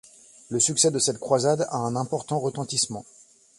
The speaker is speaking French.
Le succès de cette croisade a un important retentissement.